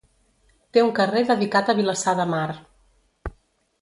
Té un carrer dedicat a Vilassar de Mar.